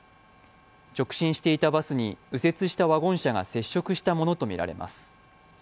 直進していたバスに右折したワゴン車が接触したものとみられます。